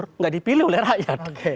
tidak dipilih oleh rakyat